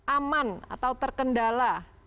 aman atau terkendala